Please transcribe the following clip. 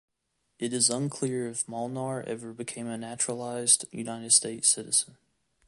It is unclear if Molnar ever became a naturalized United States citizen.